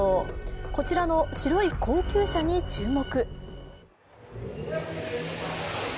こちらの白い高級車に注目。